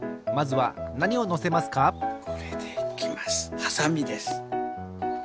はさみです。